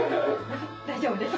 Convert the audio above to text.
大丈夫です。